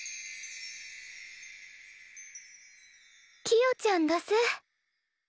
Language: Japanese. キヨちゃんどす。